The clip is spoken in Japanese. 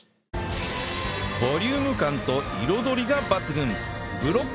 ボリューム感と彩りが抜群